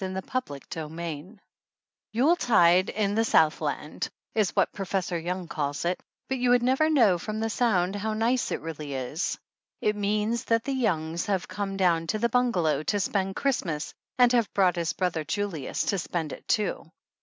102 CHAPTER VI "TTULETIDE in the Southland" is what X Professor Young calls it, but you would never know from the sound how nice it really is. It means that the Youngs have come down to the bungalow to spend Christmas and have brought his brother, Julius, to spend it too.